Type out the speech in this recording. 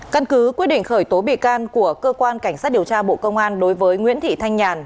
căn cứ quyết định khởi tố bị can của cơ quan cảnh sát điều tra bộ công an đối với nguyễn thị thanh nhàn